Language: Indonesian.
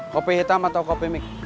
kopi hitam atau kopi mic